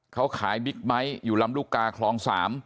เขาขายบิ๊กไบท์อยู่ลำลูกกาคลอง๓